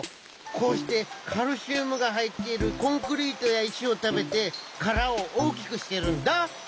こうしてカルシウムがはいっているコンクリートやいしをたべてからをおおきくしてるんだ。